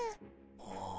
ああ。